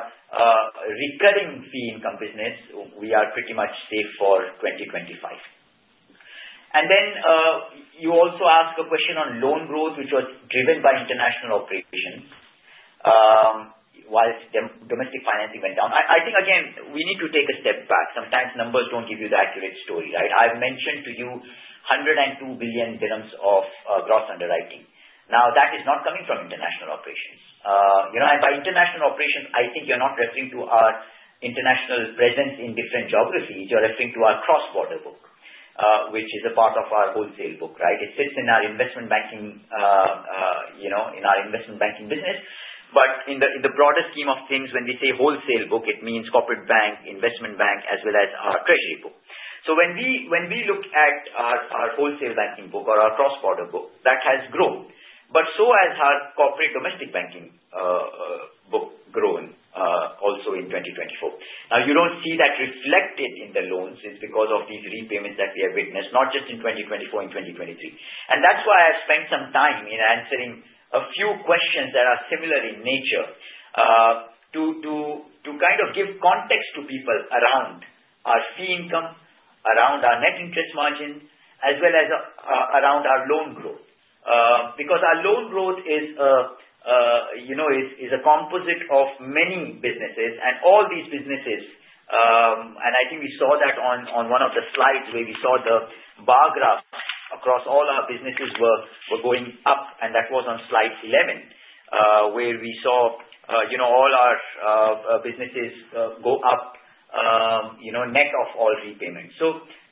recurring fee income business, we are pretty much safe for 2025. And then you also ask a question on loan growth, which was driven by international operations while domestic financing went down. I think, again, we need to take a step back. Sometimes numbers don't give you the accurate story, right? I've mentioned to you 102 billion dirhams of gross underwriting. Now, that is not coming from international operations. And by international operations, I think you're not referring to our international presence in different geographies. You're referring to our cross-border book, which is a part of our wholesale book, right? It sits in our investment banking, in our investment banking business. But in the broader scheme of things, when we say wholesale book, it means corporate bank, investment bank, as well as our treasury book. So when we look at our wholesale banking book or our cross-border book, that has grown. But so has our corporate domestic banking book grown also in 2024. Now, you don't see that reflected in the loans. It's because of these repayments that we have witnessed, not just in 2024, in 2023. And that's why I've spent some time in answering a few questions that are similar in nature to kind of give context to people around our fee income, around our net interest margin, as well as around our loan growth. Because our loan growth is a composite of many businesses. All these businesses, and I think we saw that on one of the slides where we saw the bar graph across all our businesses were going up. That was on slide 11, where we saw all our businesses go up net of all repayments.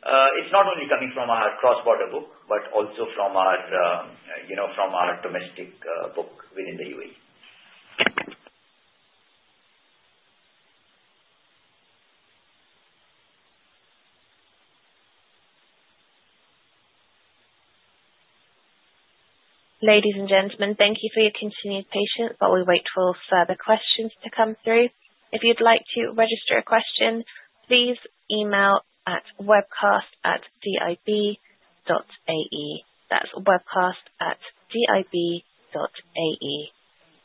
It's not only coming from our cross-border book, but also from our domestic book within the UAE.
Ladies and gentlemen, thank you for your continued patience, but we wait for further questions to come through. If you'd like to register a question, please email at webcast@dib.ae. That's webcast@dib.ae.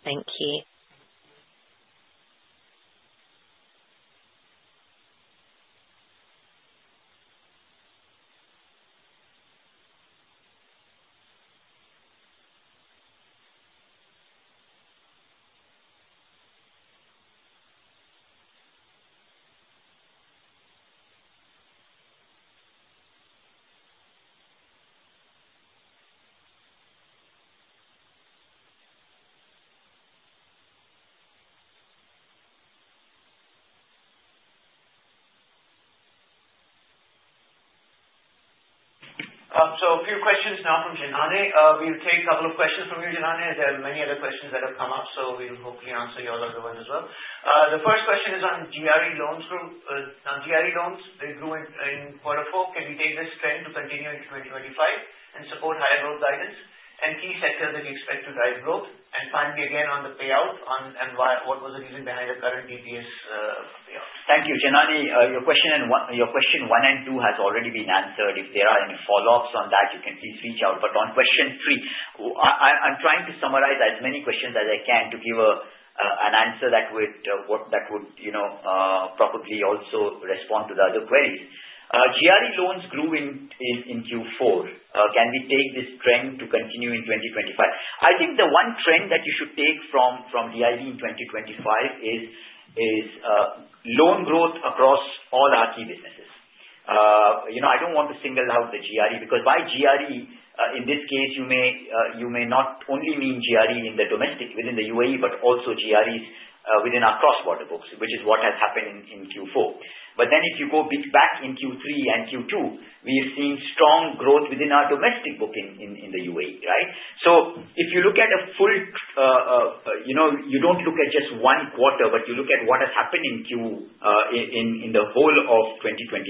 Thank you.
A few questions now from Jinane. We'll take a couple of questions from you, Jinane. There are many other questions that have come up, so we'll hopefully answer yours as well. The first question is on GRE loans. GRE loans, they grew in quarter four. Can we take this trend to continue into 2025 and support higher growth guidance and key sectors that you expect to drive growth? And finally, again, on the payout and what was the reason behind the current DPS payout?
Thank you. Jinane, your question one and two has already been answered. If there are any follow-ups on that, you can please reach out. But on question three, I'm trying to summarize as many questions as I can to give an answer that would probably also respond to the other queries. GRE loans grew in Q4. Can we take this trend to continue in 2025? I think the one trend that you should take from DIB in 2025 is loan growth across all our key businesses. I don't want to single out the GRE because by GRE, in this case, you may not only mean GRE in the domestic within the UAE, but also GREs within our cross-border books, which is what has happened in Q4. But then if you go back in Q3 and Q2, we have seen strong growth within our domestic book in the UAE, right? So if you look at a full, you don't look at just one quarter, but you look at what has happened in the whole of 2024.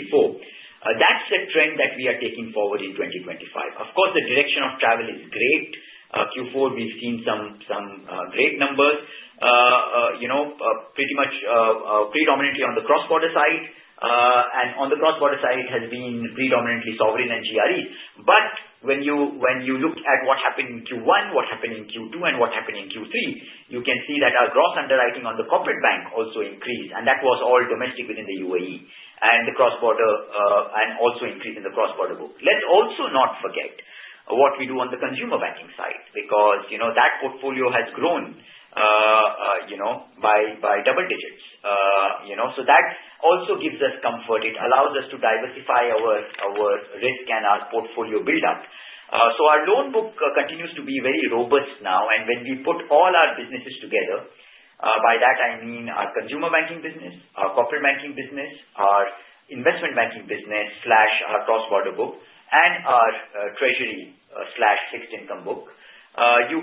That's the trend that we are taking forward in 2025. Of course, the direction of travel is great. Q4, we've seen some great numbers, pretty much predominantly on the cross-border side. And on the cross-border side, it has been predominantly sovereign and GREs. But when you look at what happened in Q1, what happened in Q2, and what happened in Q3, you can see that our gross underwriting on the corporate bank also increased. And that was all domestic within the UAE and also increased in the cross-border book. Let's also not forget what we do on the consumer banking side because that portfolio has grown by double digits. So that also gives us comfort. It allows us to diversify our risk and our portfolio buildup. So our loan book continues to be very robust now. And when we put all our businesses together, by that I mean our consumer banking business, our corporate banking business, our investment banking business, our cross-border book, and our treasury, fixed income book, you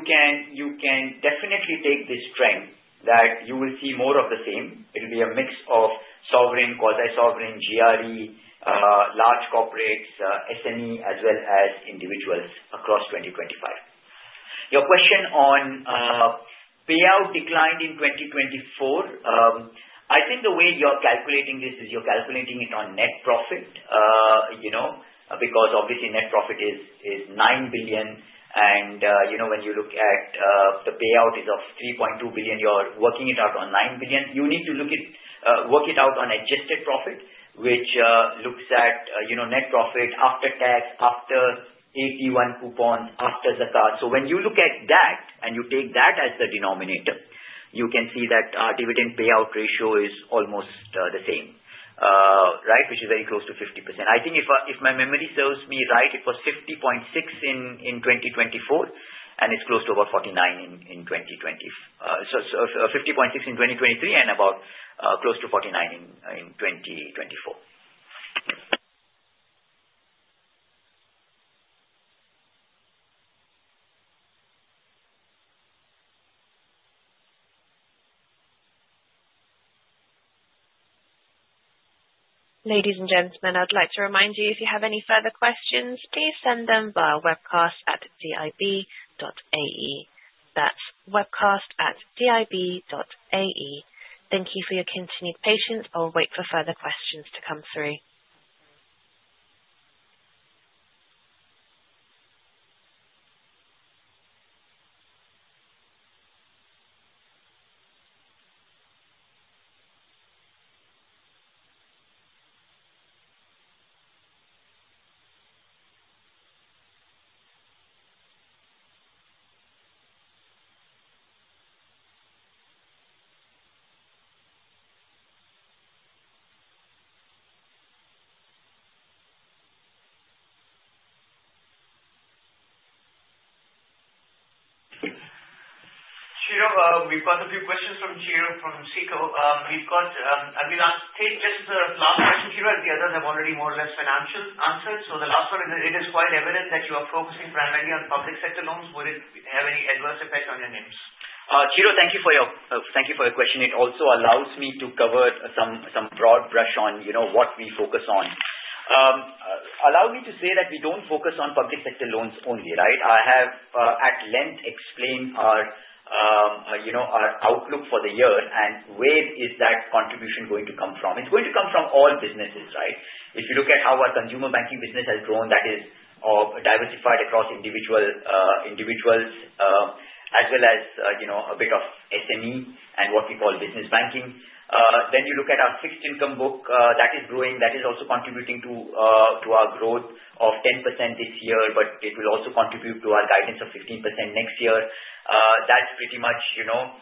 can definitely take this trend that you will see more of the same. It will be a mix of sovereign, quasi-sovereign, GRE, large corporates, SME, as well as individuals across 2025. Your question on payout declined in 2024. I think the way you're calculating this is you're calculating it on net profit because obviously net profit is 9 billion. When you look at the payout is of 3.2 billion, you're working it out on 9 billion. You need to work it out on adjusted profit, which looks at net profit after tax, after AT1 coupons, after Zakat. So when you look at that and you take that as the denominator, you can see that our dividend payout ratio is almost the same, right, which is very close to 50%. I think if my memory serves me right, it was 50.6% in 2024, and it's close to about 49% in 2020. So 50.6% in 2023 and about close to 49% in 2024.
Ladies and gentlemen, I'd like to remind you, if you have any further questions, please send them via webcast@dib.ae. That's webcast@dib.ae. Thank you for your continued patience. I'll wait for further questions to come through.
Chiro, we've got a few questions from Chiro from SICO Bank. We've got, I mean, I'll take just the last question, Chiro, as the others have already more or less financial answers. So the last one is, it is quite evident that you are focusing primarily on public sector loans. Would it have any adverse effect on your names?
Chiro, thank you for your question. It also allows me to cover some broad brush on what we focus on. Allow me to say that we don't focus on public sector loans only, right? I have at length explained our outlook for the year and where is that contribution going to come from. It's going to come from all businesses, right? If you look at how our consumer banking business has grown, that is diversified across individuals, as well as a bit of SME and what we call business banking. Then you look at our fixed income book, that is growing. That is also contributing to our growth of 10% this year, but it will also contribute to our guidance of 15% next year. That's pretty much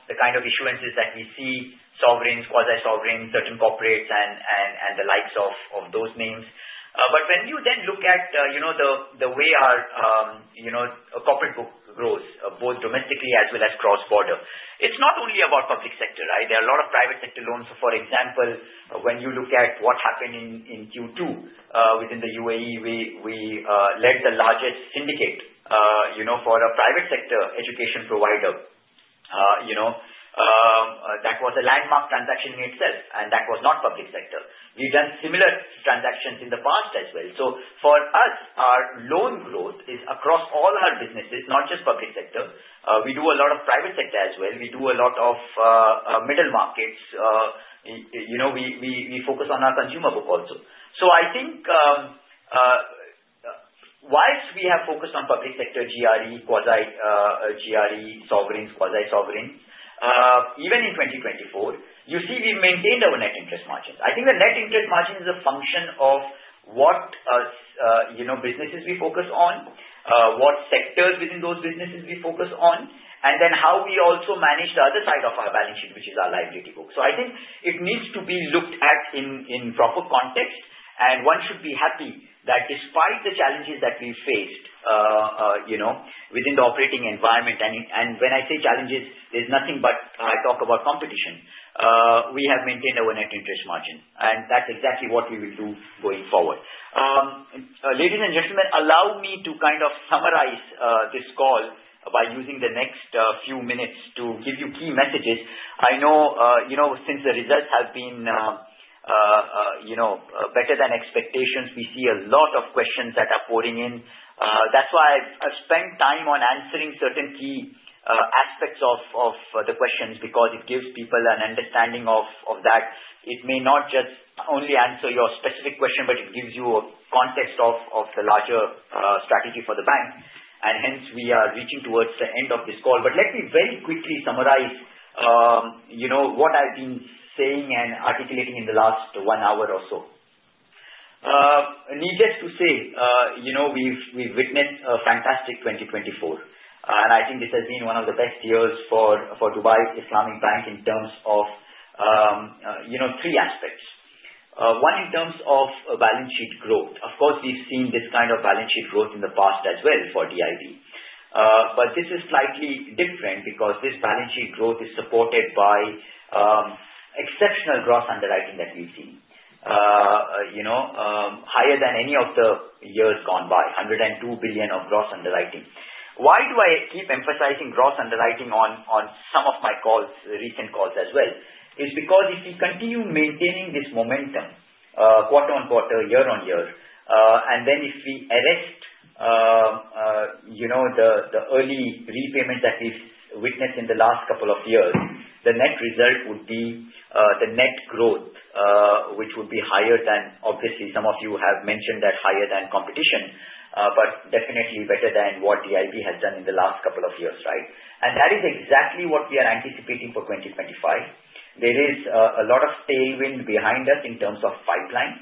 the kind of issuances that we see: sovereigns, quasi-sovereigns, certain corporates, and the likes of those names. But when you then look at the way our corporate book grows, both domestically as well as cross-border, it's not only about public sector, right? There are a lot of private sector loans. So, for example, when you look at what happened in Q2 within the UAE, we led the largest syndicate for a private sector education provider. That was a landmark transaction in itself, and that was not public sector. We've done similar transactions in the past as well. So for us, our loan growth is across all our businesses, not just public sector. We do a lot of private sector as well. We do a lot of middle markets. We focus on our consumer book also. So I think while we have focused on public sector, GRE, quasi-sovereigns, quasi-sovereigns, even in 2024, you see we've maintained our net interest margins. I think the net interest margin is a function of what businesses we focus on, what sectors within those businesses we focus on, and then how we also manage the other side of our balance sheet, which is our liability book. So I think it needs to be looked at in proper context, and one should be happy that despite the challenges that we faced within the operating environment, and when I say challenges, there's nothing but I talk about competition, we have maintained our net interest margin and that's exactly what we will do going forward. Ladies and gentlemen, allow me to kind of summarize this call by using the next few minutes to give you key messages. I know since the results have been better than expectations, we see a lot of questions that are pouring in. That's why I've spent time on answering certain key aspects of the questions because it gives people an understanding of that. It may not just only answer your specific question, but it gives you a context of the larger strategy for the bank. Hence, we are reaching towards the end of this call. But let me very quickly summarize what I've been saying and articulating in the last one hour or so. Needless to say, we've witnessed a fantastic 2024. And I think this has been one of the best years for Dubai Islamic Bank in terms of three aspects. One in terms of balance sheet growth. Of course, we've seen this kind of balance sheet growth in the past as well for DIB. But this is slightly different because this balance sheet growth is supported by exceptional gross underwriting that we've seen, higher than any of the years gone by, 102 billion of gross underwriting. Why do I keep emphasizing gross underwriting on some of my recent calls as well? It's because if we continue maintaining this momentum quarter on quarter, year on year, and then if we arrest the early repayment that we've witnessed in the last couple of years, the net result would be the net growth, which would be higher than, obviously, some of you have mentioned that higher than competition, but definitely better than what DIB has done in the last couple of years, right? And that is exactly what we are anticipating for 2025. There is a lot of tailwind behind us in terms of pipeline.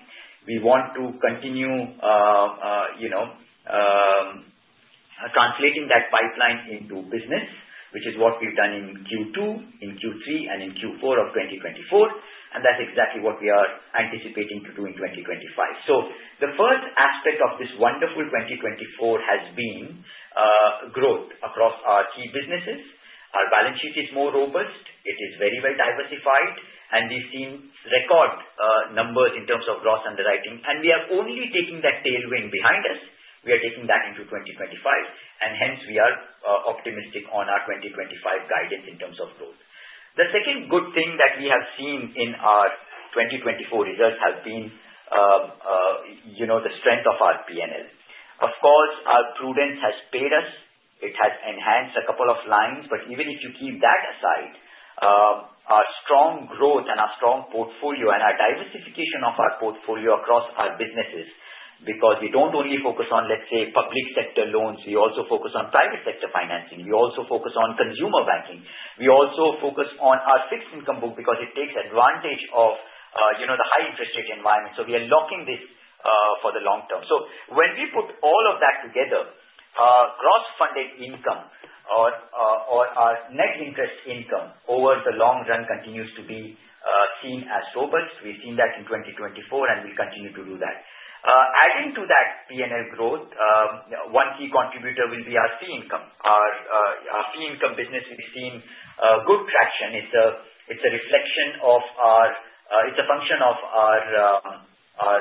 We want to continue translating that pipeline into business, which is what we've done in Q2, in Q3, and in Q4 of 2024. And that's exactly what we are anticipating to do in 2025. So the first aspect of this wonderful 2024 has been growth across our key businesses. Our balance sheet is more robust. It is very, very diversified, and we've seen record numbers in terms of gross underwriting. We are only taking that tailwind behind us. We are taking that into 2025, and hence, we are optimistic on our 2025 guidance in terms of growth. The second good thing that we have seen in our 2024 results has been the strength of our P&L. Of course, our prudence has paid us. It has enhanced a couple of lines, but even if you keep that aside, our strong growth and our strong portfolio and our diversification of our portfolio across our businesses, because we don't only focus on, let's say, public sector loans, we also focus on private sector financing. We also focus on consumer banking. We also focus on our fixed income book because it takes advantage of the high interest rate environment, so we are locking this for the long term. So when we put all of that together, gross funded income or our net interest income over the long run continues to be seen as robust. We've seen that in 2024, and we'll continue to do that. Adding to that P&L growth, one key contributor will be our fee income. Our fee income business, we've seen good traction. It's a reflection of our, it's a function of our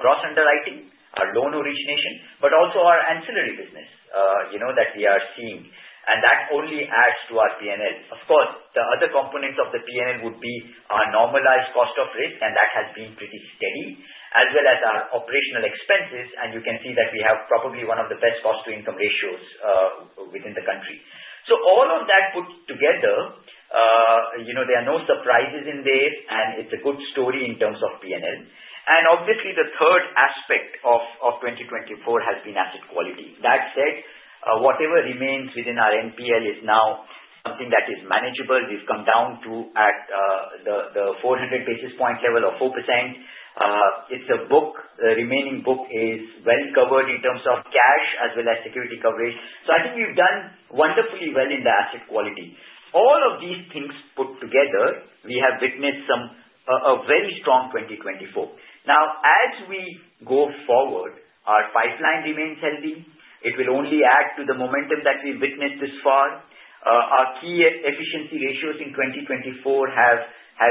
gross underwriting, our loan origination, but also our ancillary business that we are seeing. And that only adds to our P&L. Of course, the other components of the P&L would be our normalized cost of risk, and that has been pretty steady, as well as our operational expenses. And you can see that we have probably one of the best cost-to-income ratios within the country. So all of that put together, there are no surprises in there, and it's a good story in terms of P&L. And obviously, the third aspect of 2024 has been asset quality. That said, whatever remains within our NPL is now something that is manageable. We've come down to the 400 basis point level of 4%. It's a book. The remaining book is well covered in terms of cash as well as security coverage. So I think we've done wonderfully well in the asset quality. All of these things put together, we have witnessed a very strong 2024. Now, as we go forward, our pipeline remains healthy. It will only add to the momentum that we've witnessed this far. Our key efficiency ratios in 2024 have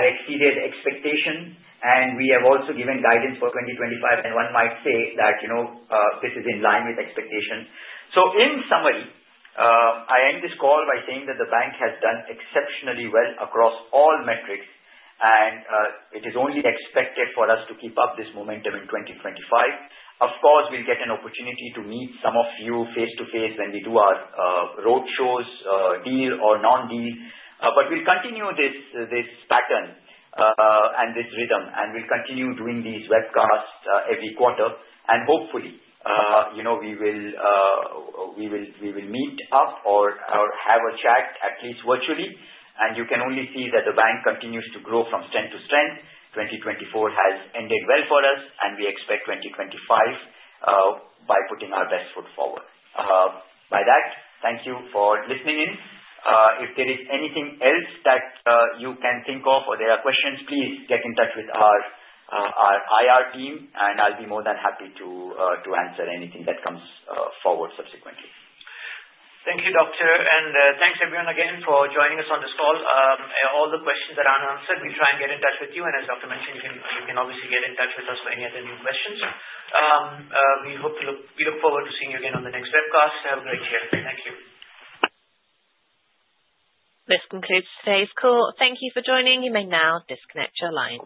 exceeded expectations, and we have also given guidance for 2025. And one might say that this is in line with expectations. So in summary, I end this call by saying that the bank has done exceptionally well across all metrics, and it is only expected for us to keep up this momentum in 2025. Of course, we'll get an opportunity to meet some of you face-to-face when we do our roadshows, deal or non-deal. But we'll continue this pattern and this rhythm, and we'll continue doing these webcasts every quarter. And hopefully, we will meet up or have a chat, at least virtually. And you can only see that the bank continues to grow from strength to strength. 2024 has ended well for us, and we expect 2025 by putting our best foot forward. With that, thank you for listening in. If there is anything else that you can think of or there are questions, please get in touch with our IR team, and I'll be more than happy to answer anything that comes forward subsequently.
Thank you, Doctor, and thanks, everyone again, for joining us on this call. All the questions that aren't answered, we'll try and get in touch with you, and as Doctor mentioned, you can obviously get in touch with us for any other new questions. We look forward to seeing you again on the next webcast. Have a great year. Thank you.
This concludes today's call. Thank you for joining. You may now disconnect your line.